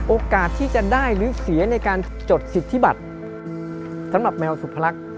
โอกาสที่จะได้หรือเสียในการจดสิทธิบัติสำหรับแมวสุพรรค